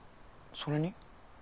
それに？